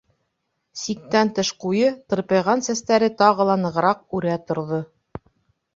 Сиктән тыш ҡуйы, тырпайған сәстәре тағы ла нығыраҡ үрә торҙо.